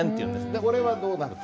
でこれはどうなると思う？